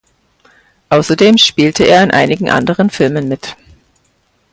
Außerdem spielte er in einigen anderen Filmen mit.